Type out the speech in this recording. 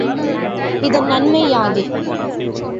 இதன் நன்மை யாது?